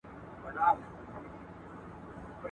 آیا افغان سوداګر خپل محصولات په خپله بهر ته وړي؟.